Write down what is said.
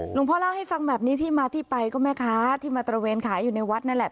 หลวงพ่อเล่าให้ฟังแบบนี้ที่มาที่ไปก็แม่ค้าที่มาตระเวนขายอยู่ในวัดนั่นแหละ